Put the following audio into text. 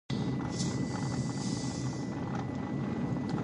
که ماشوم ته مینه ورکړو، نو هغه به تل خوشحاله وي.